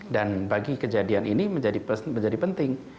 dan bagi kejadian ini menjadi penting